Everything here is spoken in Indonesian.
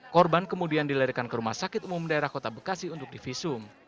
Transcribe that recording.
korban kemudian dilerikan ke rumah sakit umum daerah kota bekasi untuk divisum